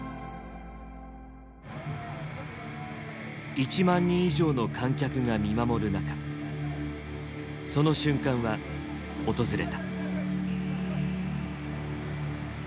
１万人以上の観客が見守る中その瞬間は訪れた。